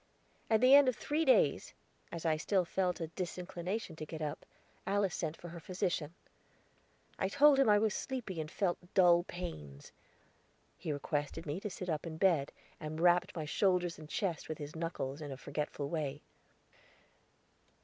At the end of three days, as I still felt a disinclination to get up, Alice sent for her physician. I told him I was sleepy and felt dull pains. He requested me to sit up in bed, and rapped my shoulders and chest with his knuckles, in a forgetful way.